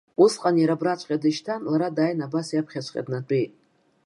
Усҟан иара абраҵәҟьа дышьҭан, лара дааины абас иаԥхьаҵәҟьа днатәеит.